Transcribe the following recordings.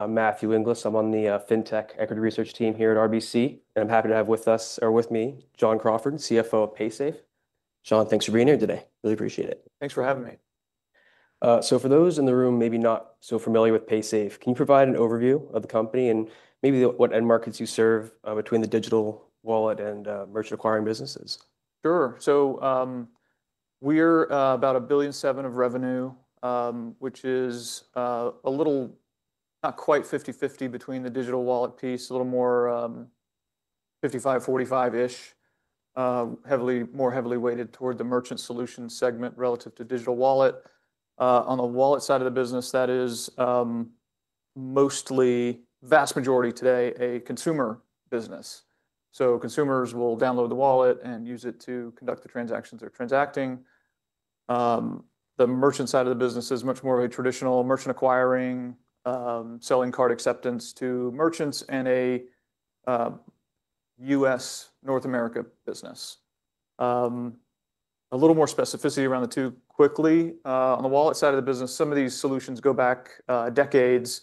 I'm Matthew Inglis. I'm on the FinTech Equity Research team here at RBC, and I'm happy to have with us, or with me, John Crawford, CFO of Paysafe. John, thanks for being here today. Really appreciate it. Thanks for having me. For those in the room maybe not so familiar with Paysafe, can you provide an overview of the company and maybe what end markets you serve between the digital wallet and merchant acquiring businesses? Sure. We're about $1.7 billion of revenue, which is a little not quite 50/50 between the digital wallet piece, a little more 55/45-ish, more heavily weighted toward the merchant solution segment relative to digital wallet. On the wallet side of the business, that is mostly, vast majority today, a consumer business. Consumers will download the wallet and use it to conduct the transactions they're transacting. The merchant side of the business is much more of a traditional merchant acquiring, selling card acceptance to merchants and a U.S., North America business. A little more specificity around the two quickly. On the wallet side of the business, some of these solutions go back decades.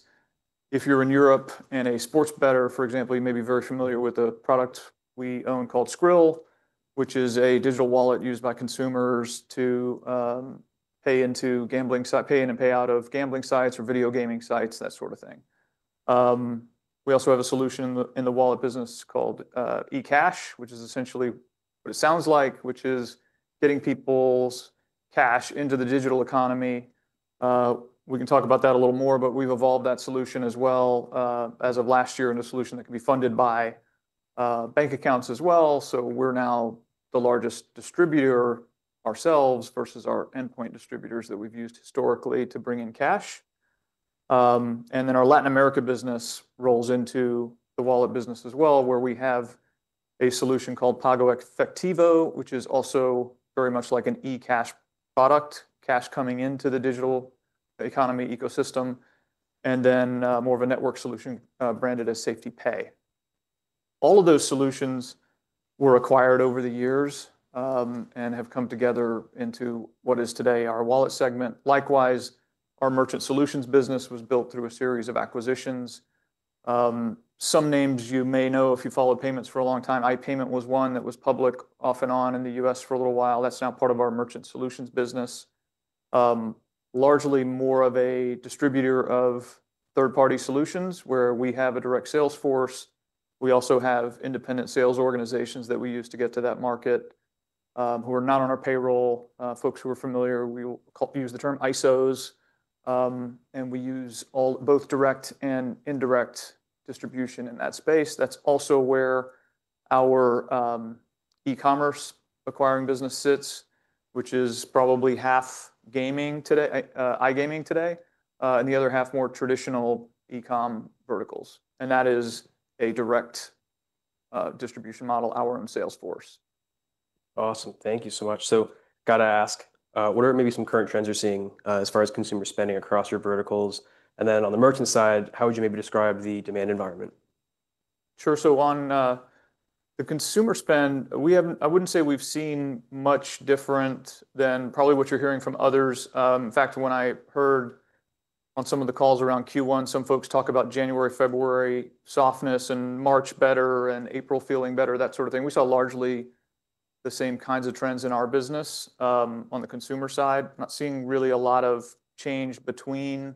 If you're in Europe and a sports bettor, for example, you may be very familiar with a product we own called Skrill, which is a digital wallet used by consumers to pay into gambling, pay in and pay out of gambling sites or video gaming sites, that sort of thing. We also have a solution in the wallet business called eCash, which is essentially what it sounds like, which is getting people's cash into the digital economy. We can talk about that a little more, but we've evolved that solution as well as of last year into a solution that can be funded by bank accounts as well. We are now the largest distributor ourselves versus our endpoint distributors that we've used historically to bring in cash. Our Latin America business rolls into the wallet business as well, where we have a solution called PagoEfectivo, which is also very much like an eCash product, cash coming into the digital economy ecosystem, and then more of a network solution branded as SafetyPay. All of those solutions were acquired over the years and have come together into what is today our wallet segment. Likewise, our merchant solutions business was built through a series of acquisitions. Some names you may know if you followed payments for a long time. iPayment was one that was public off and on in the U.S. for a little while. That is now part of our merchant solutions business. Largely more of a distributor of third-party solutions where we have a direct sales force. We also have independent sales organizations that we use to get to that market who are not on our payroll. Folks who are familiar, we use the term ISOs, and we use both direct and indirect distribution in that space. That is also where our e-commerce acquiring business sits, which is probably half gaming today, iGaming today, and the other half more traditional e-com verticals. That is a direct distribution model, our own sales force. Awesome. Thank you so much. Got to ask, what are maybe some current trends you're seeing as far as consumer spending across your verticals? Then on the merchant side, how would you maybe describe the demand environment? Sure. On the consumer spend, I wouldn't say we've seen much different than probably what you're hearing from others. In fact, when I heard on some of the calls around Q1, some folks talk about January, February softness and March better and April feeling better, that sort of thing. We saw largely the same kinds of trends in our business. On the consumer side, not seeing really a lot of change between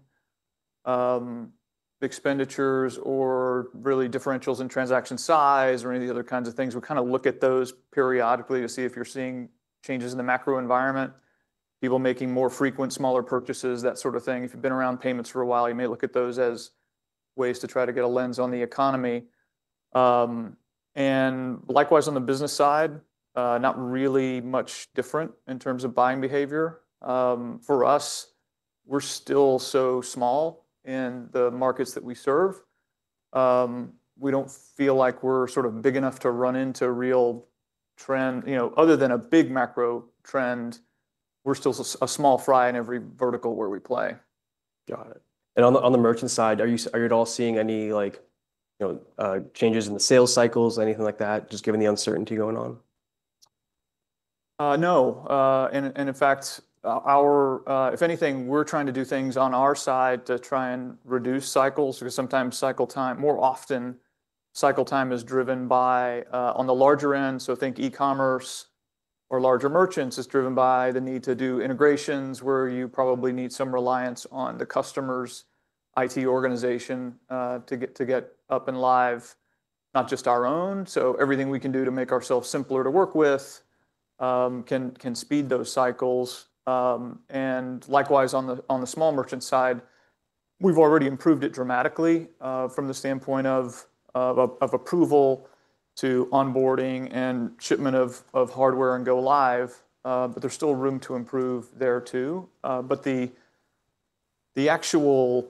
expenditures or really differentials in transaction size or any of the other kinds of things. We kind of look at those periodically to see if you're seeing changes in the macro environment, people making more frequent smaller purchases, that sort of thing. If you've been around payments for a while, you may look at those as ways to try to get a lens on the economy. Likewise, on the business side, not really much different in terms of buying behavior. For us, we're still so small in the markets that we serve. We don't feel like we're sort of big enough to run into real trend. Other than a big macro trend, we're still a small fry in every vertical where we play. Got it. On the merchant side, are you at all seeing any changes in the sales cycles, anything like that, just given the uncertainty going on? No. In fact, if anything, we're trying to do things on our side to try and reduce cycles because sometimes cycle time, more often cycle time is driven by on the larger end. Think e-commerce or larger merchants is driven by the need to do integrations where you probably need some reliance on the customer's IT organization to get up and live, not just our own. Everything we can do to make ourselves simpler to work with can speed those cycles. Likewise, on the small merchant side, we've already improved it dramatically from the standpoint of approval to onboarding and shipment of hardware and go live, but there's still room to improve there too. The actual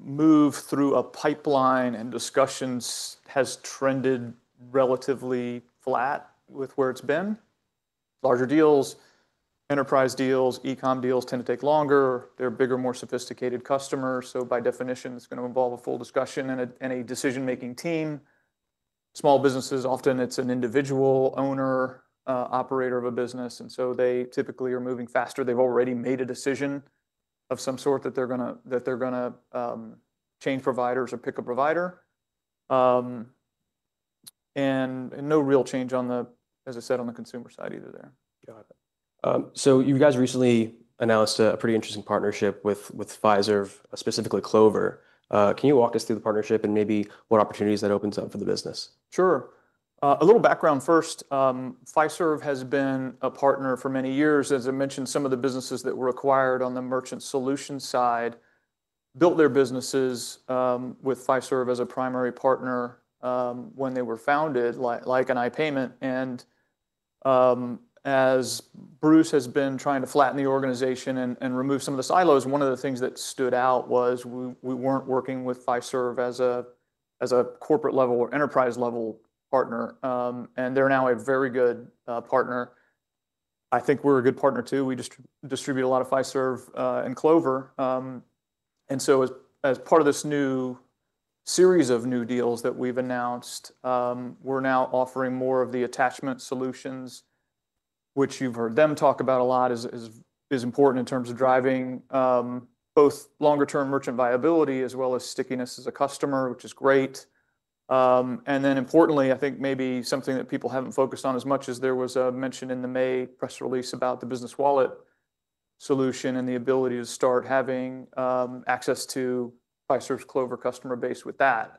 move through a pipeline and discussions has trended relatively flat with where it's been. Larger deals, enterprise deals, e-com deals tend to take longer. They're bigger, more sophisticated customers. By definition, it's going to involve a full discussion and a decision-making team. Small businesses, often it's an individual owner operator of a business. They typically are moving faster. They've already made a decision of some sort that they're going to change providers or pick a provider. No real change on the, as I said, on the consumer side either there. Got it. So you guys recently announced a pretty interesting partnership with Fiserv, specifically Clover. Can you walk us through the partnership and maybe what opportunities that opens up for the business? Sure. A little background first. Fiserv has been a partner for many years. As I mentioned, some of the businesses that were acquired on the merchant solution side built their businesses with Fiserv as a primary partner when they were founded, like an iPayment. As Bruce has been trying to flatten the organization and remove some of the silos, one of the things that stood out was we were not working with Fiserv as a corporate level or enterprise level partner. They are now a very good partner. I think we are a good partner too. We just distribute a lot of Fiserv and Clover. As part of this new series of new deals that we've announced, we're now offering more of the attachment solutions, which you've heard them talk about a lot is important in terms of driving both longer-term merchant viability as well as stickiness as a customer, which is great. Importantly, I think maybe something that people haven't focused on as much is there was a mention in the May press release about the Business Wallet solution and the ability to start having access to Fiserv's Clover customer base with that.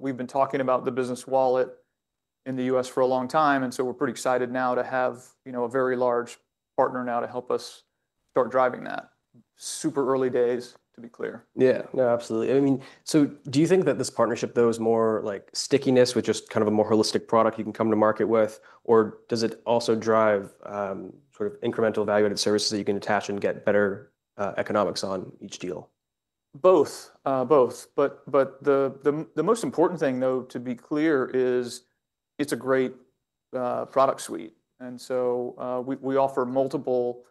We've been talking about the Business Wallet in the U.S. for a long time. We're pretty excited now to have a very large partner now to help us start driving that. Super early days, to be clear. Yeah. No, absolutely. I mean, do you think that this partnership, though, is more like stickiness with just kind of a more holistic product you can come to market with, or does it also drive sort of incremental value-added services that you can attach and get better economics on each deal? Both. Both. The most important thing, though, to be clear, is it's a great product suite. We offer multiple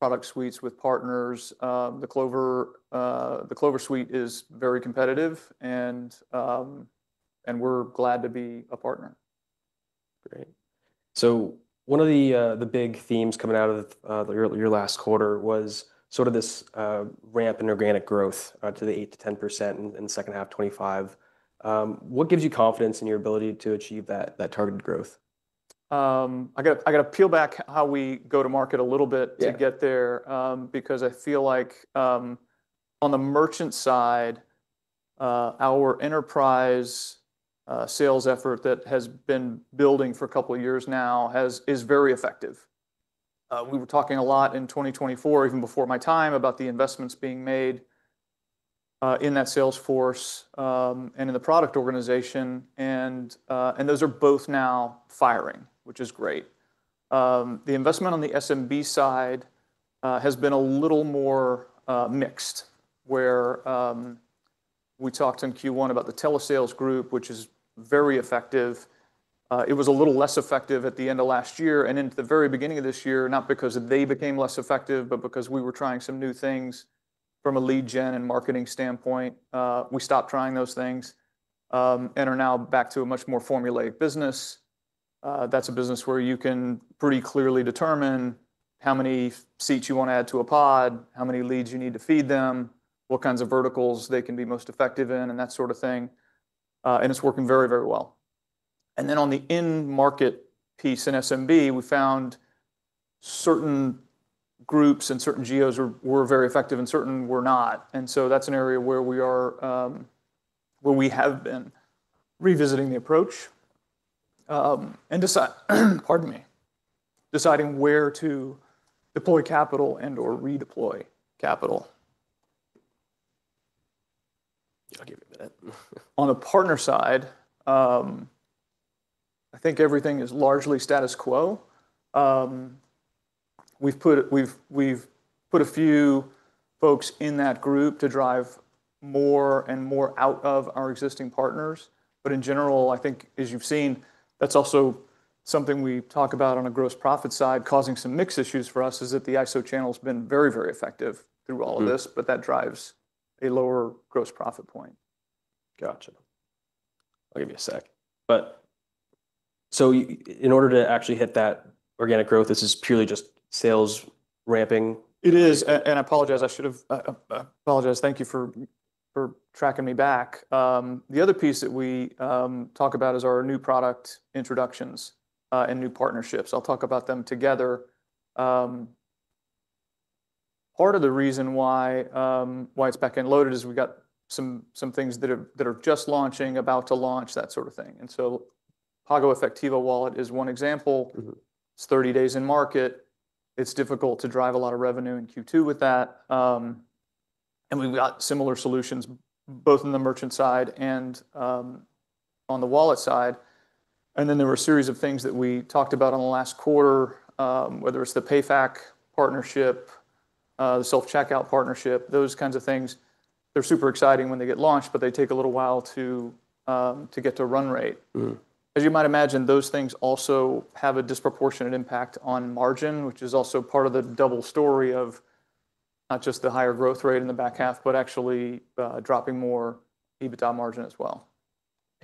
product suites with partners. The Clover suite is very competitive, and we're glad to be a partner. Great. One of the big themes coming out of your last quarter was sort of this ramp in organic growth to the 8%, 10% in the second half, 2025. What gives you confidence in your ability to achieve that targeted growth? I got to peel back how we go to market a little bit to get there because I feel like on the merchant side, our enterprise sales effort that has been building for a couple of years now is very effective. We were talking a lot in 2024, even before my time, about the investments being made in that sales force and in the product organization. Those are both now firing, which is great. The investment on the SMB side has been a little more mixed, where we talked in Q1 about the telesales group, which is very effective. It was a little less effective at the end of last year and into the very beginning of this year, not because they became less effective, but because we were trying some new things from a lead gen and marketing standpoint. We stopped trying those things and are now back to a much more formulaic business. That is a business where you can pretty clearly determine how many seats you want to add to a pod, how many leads you need to feed them, what kinds of verticals they can be most effective in, and that sort of thing. It is working very, very well. On the in-market piece in SMB, we found certain groups and certain GOs were very effective and certain were not. That is an area where we have been revisiting the approach and deciding where to deploy capital and/or redeploy capital. I'll give you a minute. On the partner side, I think everything is largely status quo. We've put a few folks in that group to drive more and more out of our existing partners. In general, I think, as you've seen, that's also something we talk about on a gross profit side, causing some mixed issues for us, is that the ISO channel has been very, very effective through all of this, but that drives a lower gross profit point. Gotcha. I'll give you a sec. In order to actually hit that organic growth, this is purely just sales ramping? It is. I apologize. I should have apologized. Thank you for tracking me back. The other piece that we talk about is our new product introductions and new partnerships. I'll talk about them together. Part of the reason why it's back and loaded is we've got some things that are just launching, about to launch, that sort of thing. PagoEfectivo Wallet is one example. It's 30 days in market. It's difficult to drive a lot of revenue in Q2 with that. We've got similar solutions both on the merchant side and on the wallet side. There were a series of things that we talked about on the last quarter, whether it's the PayFac partnership, the self-checkout partnership, those kinds of things. They're super exciting when they get launched, but they take a little while to get to run rate. As you might imagine, those things also have a disproportionate impact on margin, which is also part of the double story of not just the higher growth rate in the back half, but actually dropping more EBITDA margin as well.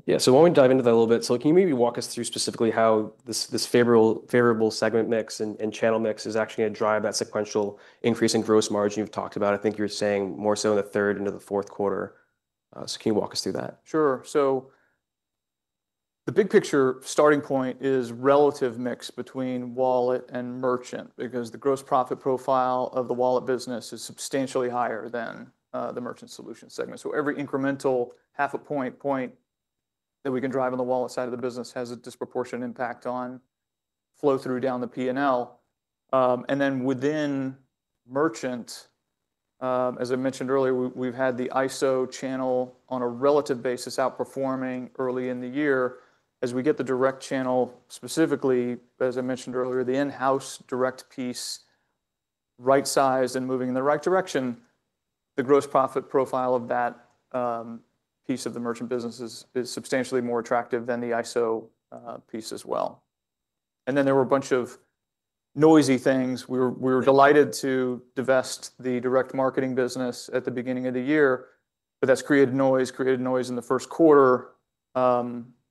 Yeah. So why don't we dive into that a little bit? Can you maybe walk us through specifically how this favorable segment mix and channel mix is actually going to drive that sequential increase in gross margin you've talked about? I think you're saying more so in the third into the fourth quarter. Can you walk us through that? Sure. The big picture starting point is relative mix between wallet and merchant because the gross profit profile of the wallet business is substantially higher than the merchant solution segment. Every incremental half a point point that we can drive on the wallet side of the business has a disproportionate impact on flow through down the P&L. Within merchant, as I mentioned earlier, we've had the ISO channel on a relative basis outperforming early in the year. As we get the direct channel specifically, as I mentioned earlier, the in-house direct piece right-sized and moving in the right direction, the gross profit profile of that piece of the merchant business is substantially more attractive than the ISO piece as well. There were a bunch of noisy things. We were delighted to divest the direct marketing business at the beginning of the year, but that's created noise, created noise in the first quarter.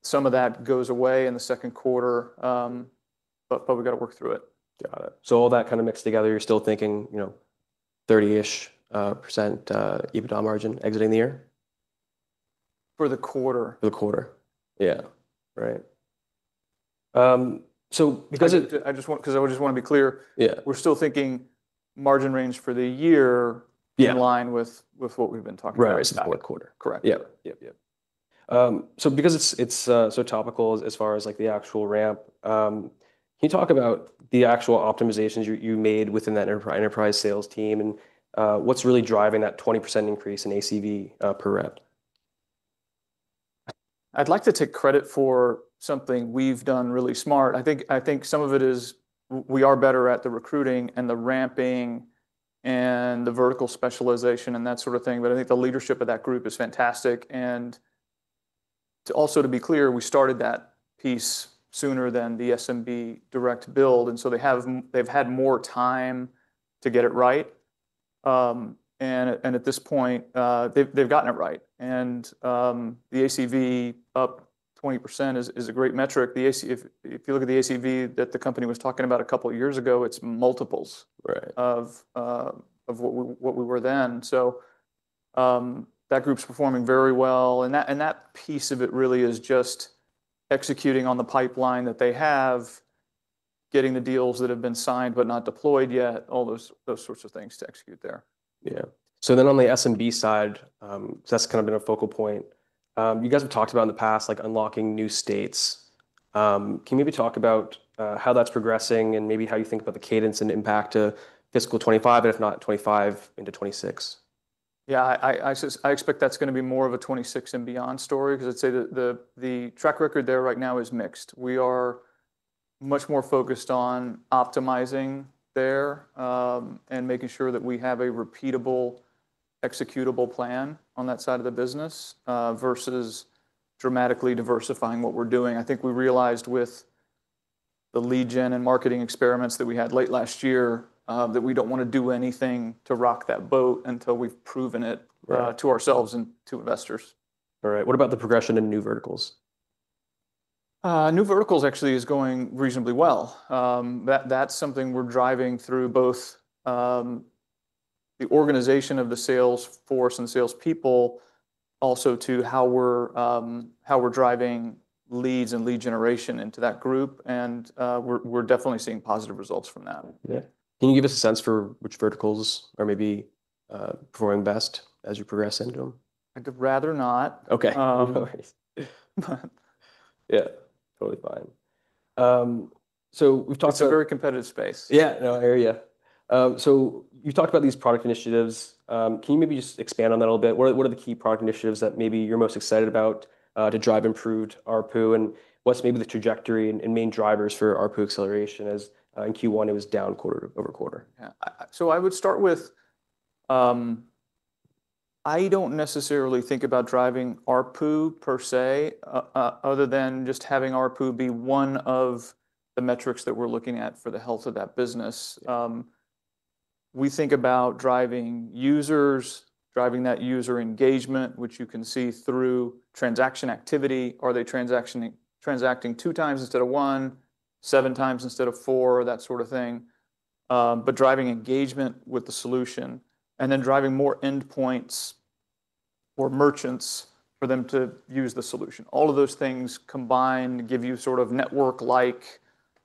Some of that goes away in the second quarter, but we got to work through it. Got it. So all that kind of mixed together, you're still thinking 30ish% EBITDA margin exiting the year? For the quarter. For the quarter. Yeah. Right. Because I just want to be clear, we're still thinking margin range for the year in line with what we've been talking about. Right. Fourth quarter. Correct. Yep. Yep. Yep. Because it's so topical as far as the actual ramp, can you talk about the actual optimizations you made within that enterprise sales team and what's really driving that 20% increase in ACV per rep? I'd like to take credit for something we've done really smart. I think some of it is we are better at the recruiting and the ramping and the vertical specialization and that sort of thing. I think the leadership of that group is fantastic. Also, to be clear, we started that piece sooner than the SMB direct build. They have had more time to get it right. At this point, they've gotten it right. The ACV up 20% is a great metric. If you look at the ACV that the company was talking about a couple of years ago, it's multiples of what we were then. That group's performing very well. That piece of it really is just executing on the pipeline that they have, getting the deals that have been signed but not deployed yet, all those sorts of things to execute there. Yeah. So then on the SMB side, that's kind of been a focal point. You guys have talked about in the past, like unlocking new states. Can you maybe talk about how that's progressing and maybe how you think about the cadence and impact to fiscal 2025, if not 2025 into 2026? Yeah. I expect that's going to be more of a 2026 and beyond story because I'd say the track record there right now is mixed. We are much more focused on optimizing there and making sure that we have a repeatable, executable plan on that side of the business versus dramatically diversifying what we're doing. I think we realized with the lead gen and marketing experiments that we had late last year that we don't want to do anything to rock that boat until we've proven it to ourselves and to investors. All right. What about the progression in new verticals? New verticals actually is going reasonably well. That's something we're driving through both the organization of the sales force and salespeople also to how we're driving leads and lead generation into that group. We're definitely seeing positive results from that. Yeah. Can you give us a sense for which verticals are maybe performing best as you progress into them? I'd rather not. Okay. No worries. Yeah. Totally fine. So we've talked about. It's a very competitive space. Yeah. No, I hear you. You talked about these product initiatives. Can you maybe just expand on that a little bit? What are the key product initiatives that maybe you're most excited about to drive improved RPU? What's maybe the trajectory and main drivers for RPU acceleration as in Q1 it was down quarter over quarter? I would start with I do not necessarily think about driving RPU per se other than just having RPU be one of the metrics that we are looking at for the health of that business. We think about driving users, driving that user engagement, which you can see through transaction activity. Are they transacting two times instead of one, seven times instead of four, that sort of thing? Driving engagement with the solution and then driving more endpoints or merchants for them to use the solution. All of those things combined give you sort of network-like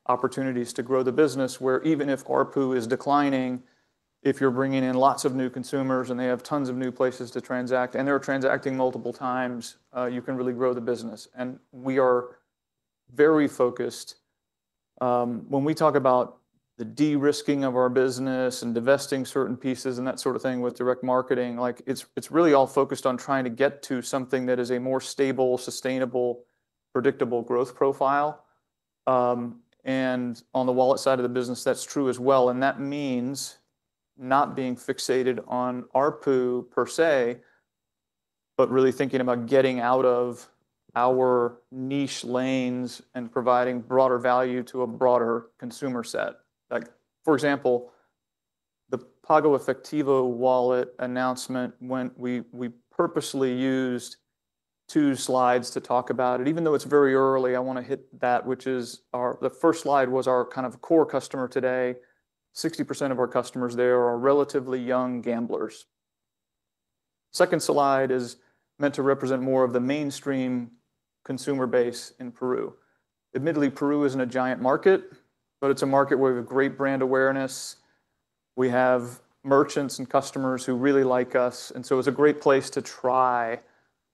opportunities to grow the business where even if RPU is declining, if you are bringing in lots of new consumers and they have tons of new places to transact and they are transacting multiple times, you can really grow the business. We are very focused when we talk about the de-risking of our business and divesting certain pieces and that sort of thing with direct marketing, it's really all focused on trying to get to something that is a more stable, sustainable, predictable growth profile. On the wallet side of the business, that's true as well. That means not being fixated on RPU per se, but really thinking about getting out of our niche lanes and providing broader value to a broader consumer set. For example, the PagoEfectivo Wallet announcement, we purposely used two slides to talk about it. Even though it's very early, I want to hit that, which is the first slide was our kind of core customer today. 60% of our customers there are relatively young gamblers. The second slide is meant to represent more of the mainstream consumer base in Peru. Admittedly, Peru isn't a giant market, but it's a market where we have great brand awareness. We have merchants and customers who really like us. It is a great place to try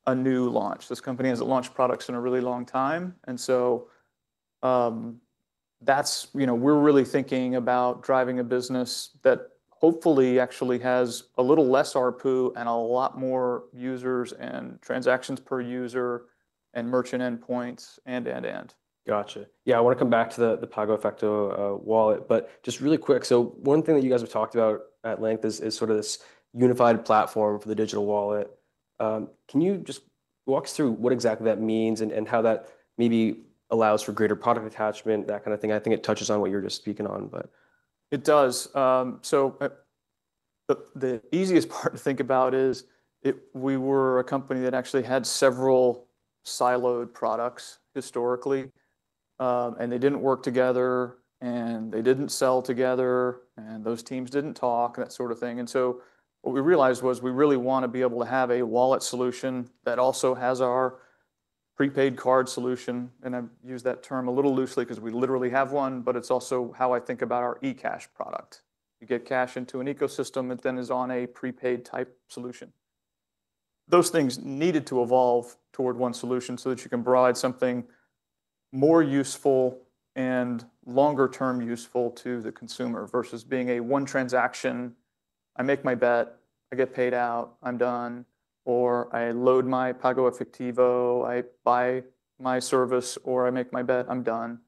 a new launch. This company hasn't launched products in a really long time. We are really thinking about driving a business that hopefully actually has a little less RPU and a lot more users and transactions per user and merchant endpoints and, and, and. Gotcha. Yeah. I want to come back to the PagoEfectivo Wallet, but just really quick. One thing that you guys have talked about at length is sort of this unified platform for the digital wallet. Can you just walk us through what exactly that means and how that maybe allows for greater product attachment, that kind of thing? I think it touches on what you were just speaking on, but. It does. The easiest part to think about is we were a company that actually had several siloed products historically, and they did not work together, and they did not sell together, and those teams did not talk, and that sort of thing. What we realized was we really want to be able to have a wallet solution that also has our prepaid card solution. I use that term a little loosely because we literally have one, but it is also how I think about our eCash product. You get cash into an ecosystem, it then is on a prepaid type solution. Those things needed to evolve toward one solution so that you can provide something more useful and longer-term useful to the consumer versus being a one transaction. I make my bet, I get paid out, I'm done, or I load my PagoEfectivo, I buy my service, or I make my bet, I'm done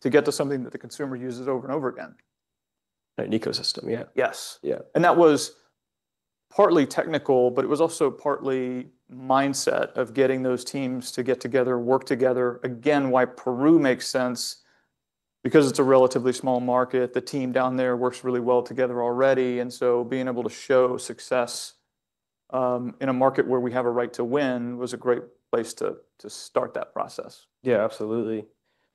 to get to something that the consumer uses over and over again. An ecosystem. Yeah. Yes. Yeah. That was partly technical, but it was also partly mindset of getting those teams to get together, work together. Again, why Peru makes sense because it is a relatively small market. The team down there works really well together already. Being able to show success in a market where we have a right to win was a great place to start that process. Yeah, absolutely.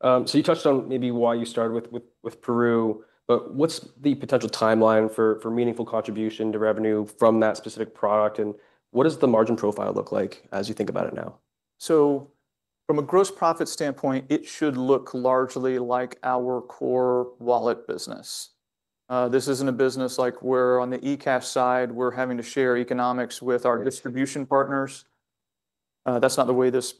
You touched on maybe why you started with Peru, but what's the potential timeline for meaningful contribution to revenue from that specific product? What does the margin profile look like as you think about it now? From a gross profit standpoint, it should look largely like our core wallet business. This isn't a business like where on the eCash side, we're having to share economics with our distribution partners. That's not the way this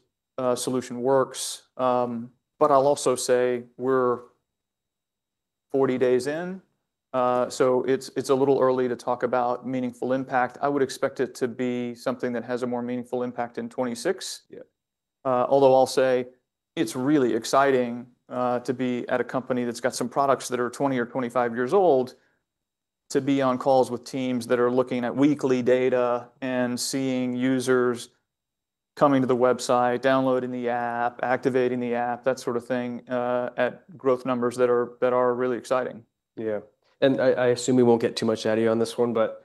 solution works. I'll also say we're 40 days in. It's a little early to talk about meaningful impact. I would expect it to be something that has a more meaningful impact in 2026. Although I'll say it's really exciting to be at a company that's got some products that are 20 years or 25 years old to be on calls with teams that are looking at weekly data and seeing users coming to the website, downloading the app, activating the app, that sort of thing at growth numbers that are really exciting. Yeah. I assume we won't get too much out of you on this one, but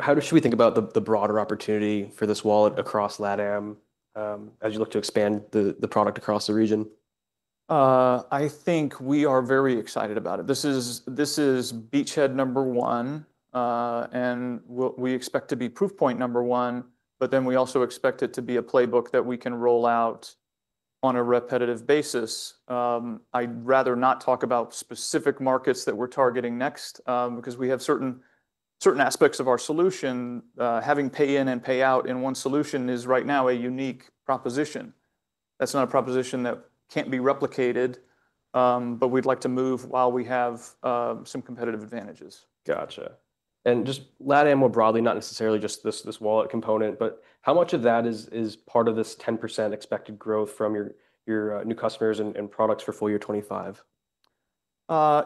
how should we think about the broader opportunity for this wallet across LatAm as you look to expand the product across the region? I think we are very excited about it. This is beachhead number one, and we expect to be proof point number one, but then we also expect it to be a playbook that we can roll out on a repetitive basis. I'd rather not talk about specific markets that we're targeting next because we have certain aspects of our solution. Having pay-in and pay-out in one solution is right now a unique proposition. That's not a proposition that can't be replicated, but we'd like to move while we have some competitive advantages. Gotcha. And just LatAm more broadly, not necessarily just this wallet component, but how much of that is part of this 10% expected growth from your new customers and products for full year 2025?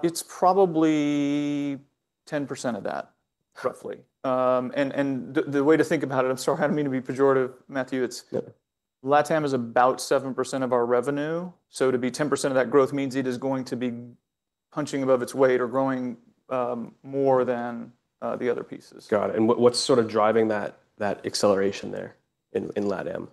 It's probably 10% of that, roughly. The way to think about it, I'm sorry, I don't mean to be pejorative, Matthew. LatAm is about 7% of our revenue. To be 10% of that growth means it is going to be punching above its weight or growing more than the other pieces. Got it. What's sort of driving that acceleration there in LatAm?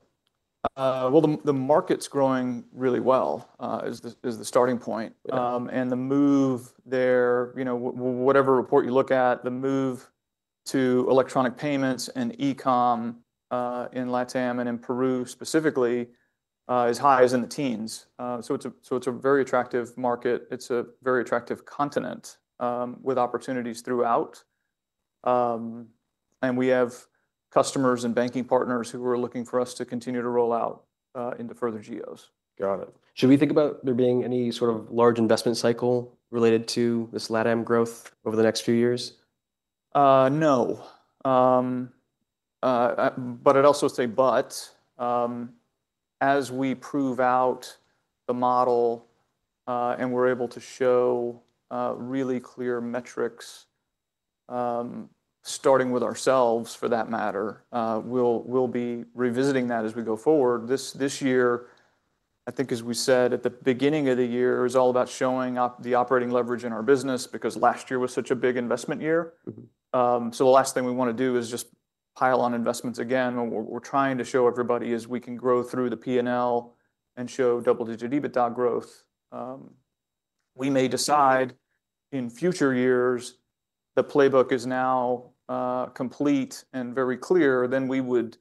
The market's growing really well is the starting point. The move there, whatever report you look at, the move to electronic payments and e-com in Latin America and in Peru specifically is high as in the teens. It is a very attractive market. It is a very attractive continent with opportunities throughout. We have customers and banking partners who are looking for us to continue to roll out into further GOs. Got it. Should we think about there being any sort of large investment cycle related to this LatAm growth over the next few years? No. But I'd also say as we prove out the model and we're able to show really clear metrics, starting with ourselves for that matter, we'll be revisiting that as we go forward. This year, I think as we said at the beginning of the year, it was all about showing up the operating leverage in our business because last year was such a big investment year. The last thing we want to do is just pile on investments again. What we're trying to show everybody is we can grow through the P&L and show double-digit EBITDA growth. We may decide in future years, the playbook is now complete and very clear, then we would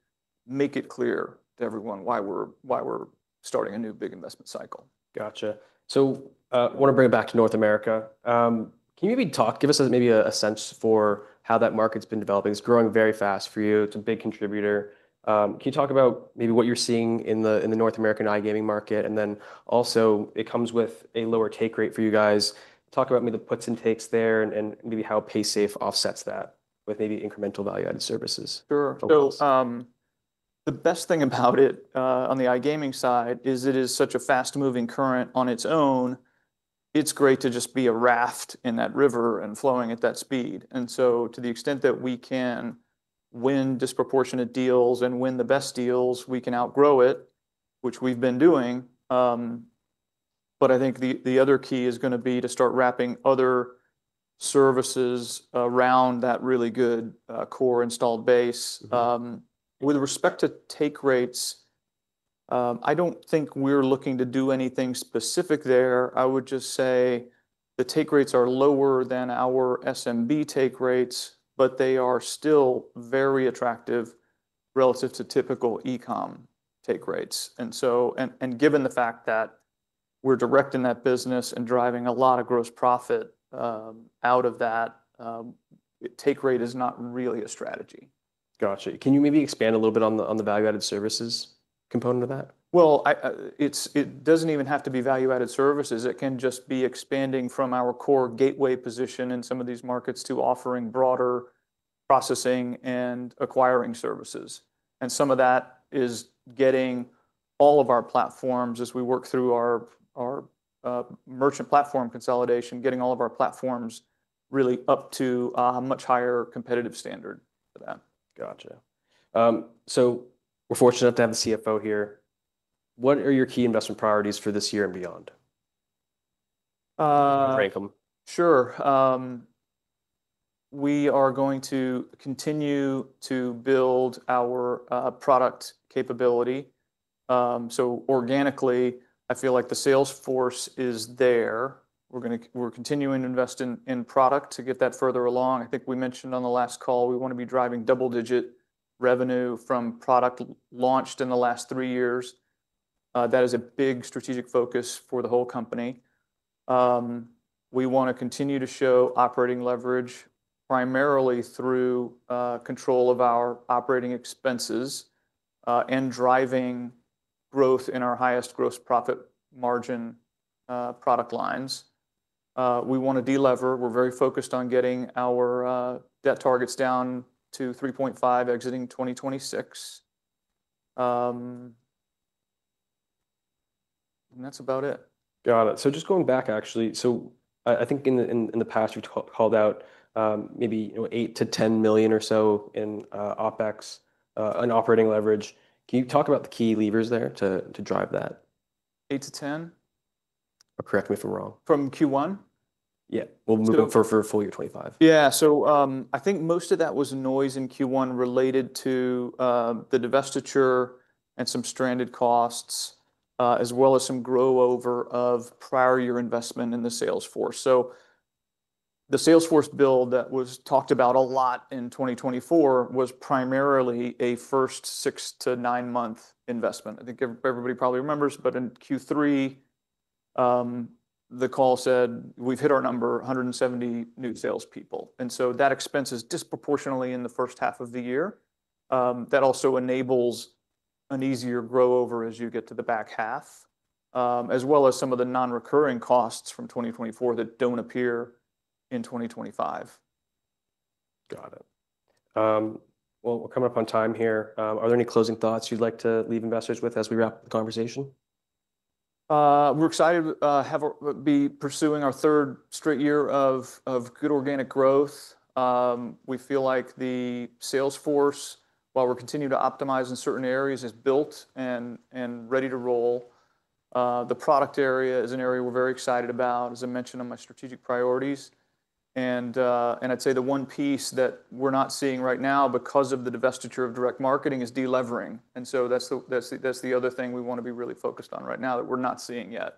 make it clear to everyone why we're starting a new big investment cycle. Gotcha. I want to bring it back to North America. Can you maybe talk, give us maybe a sense for how that market's been developing? It's growing very fast for you. It's a big contributor. Can you talk about maybe what you're seeing in the North American, iGaming market? It also comes with a lower take rate for you guys. Talk about maybe the puts and takes there and maybe how Paysafe offsets that with maybe incremental value-added services. Sure. The best thing about it on the iGaming side is it is such a fast-moving current on its own. It's great to just be a raft in that river and flowing at that speed. To the extent that we can win disproportionate deals and win the best deals, we can outgrow it, which we've been doing. I think the other key is going to be to start wrapping other services around that really good core installed base. With respect to take rates, I don't think we're looking to do anything specific there. I would just say the take rates are lower than our SMB take rates, but they are still very attractive relative to typical e-com take rates. Given the fact that we're directing that business and driving a lot of gross profit out of that, take rate is not really a strategy. Gotcha. Can you maybe expand a little bit on the value-added services component of that? It does not even have to be value-added services. It can just be expanding from our core gateway position in some of these markets to offering broader processing and acquiring services. Some of that is getting all of our platforms as we work through our merchant platform consolidation, getting all of our platforms really up to a much higher competitive standard for that. Gotcha. So we're fortunate enough to have the CFO here. What are your key investment priorities for this year and beyond, Franklin? Sure. We are going to continue to build our product capability. So organically, I feel like the sales force is there. We're continuing to invest in product to get that further along. I think we mentioned on the last call, we want to be driving double-digit revenue from product launched in the last three years. That is a big strategic focus for the whole company. We want to continue to show operating leverage primarily through control of our operating expenses and driving growth in our highest gross profit margin product lines. We want to delever. We're very focused on getting our debt targets down to 3.5% exiting 2026. And that's about it. Got it. So just going back, actually, so I think in the past you called out maybe $8-$10 million or so in OpEx, in operating leverage. Can you talk about the key levers there to drive that? 8-10? Correct me if I'm wrong. From Q1? Yeah. We'll move it for full year 2025. Yeah. I think most of that was noise in Q1 related to the divestiture and some stranded costs as well as some growover of prior year investment in the sales force. The sales force build that was talked about a lot in 2024 was primarily a first six to nine-month investment. I think everybody probably remembers, but in Q3, the call said we've hit our number, 170 new salespeople. That expense is disproportionately in the first half of the year. That also enables an easier growover as you get to the back half, as well as some of the non-recurring costs from 2024 that do not appear in 2025. Got it. We are coming up on time here. Are there any closing thoughts you would like to leave investors with as we wrap the conversation? We're excited to be pursuing our third straight year of good organic growth. We feel like the sales force, while we're continuing to optimize in certain areas, is built and ready to roll. The product area is an area we're very excited about, as I mentioned on my strategic priorities. I'd say the one piece that we're not seeing right now because of the divestiture of direct marketing is delevering. That is the other thing we want to be really focused on right now that we're not seeing yet.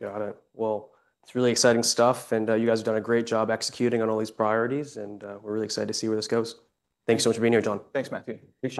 Got it. It is really exciting stuff. You guys have done a great job executing on all these priorities, and we are really excited to see where this goes. Thanks so much for being here, John. Thanks, Matthew. Thanks.